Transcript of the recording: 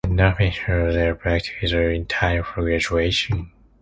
In "Not Pictured", they are back together in time for graduation.